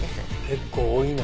結構多いな。